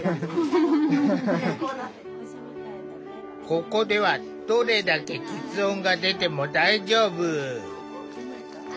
ここではどれだけきつ音が出ても大丈夫。